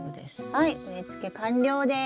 はい植えつけ完了です！